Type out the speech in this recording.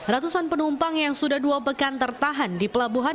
ratusan penumpang yang sudah dua pekan tertahan di pelabuhan